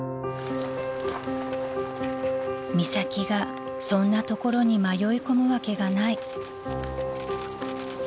［美咲がそんな所に迷い込むわけがない］